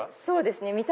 そうですね。